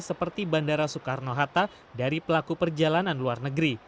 seperti bandara soekarno hatta dari pelaku perjalanan luar negeri